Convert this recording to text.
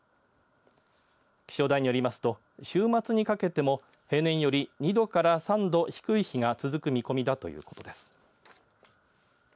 気象台によりますと週末にかけても平年より２度から３度、低い日が続く見込みだということです。